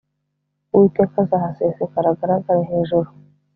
Uwiteka azahasesekara agaragare hejuru